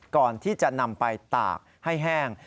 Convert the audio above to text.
ก่อนที่จะนำไปตากให้แห้ง